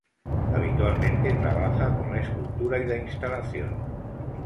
Habitualmente trabaja con la escultura y la instalación.